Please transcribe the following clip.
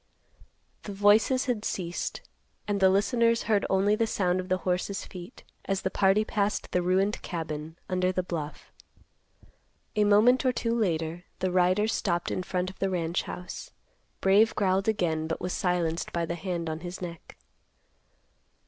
The voices had ceased, and the listeners heard only the sound of the horses' feet, as the party passed the ruined cabin under the bluff. A moment or two later the riders stopped in front of the ranch house. Brave growled again, but was silenced by the hand on his neck.